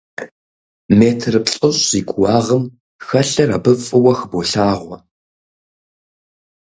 Метр плӏыщӏ зи кууагъым хэлъыр абы фӀыуэ хыболъагъуэ.